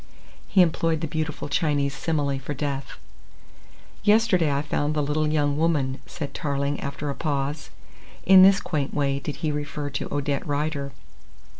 He employed the beautiful Chinese simile for death. "Yesterday I found the little young woman," said Tarling after a pause. In this quaint way did he refer to Odette Rider.